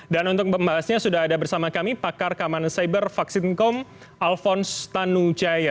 dan untuk pembahasnya sudah ada bersama kami pakar kaman saber vaksin com alphonse tanu jaya